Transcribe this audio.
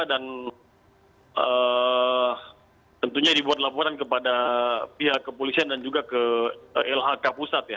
dan tentunya dibuat laporan kepada pihak kepolisian dan juga ke lhk pusat ya